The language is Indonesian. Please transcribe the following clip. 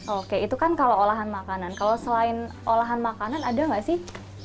oke itu kan kalau olahan makanan kalau selain olahan makanan ada nggak sih